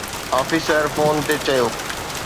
officer phone تي چيو